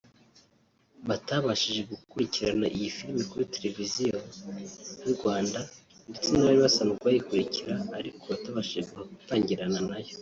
batabashije gukurikirana iyi filime kuri Televiziyo y’u Rwanda ndetse n'abari basanzwe bayikurikira ariko batabashije gutangirana nayo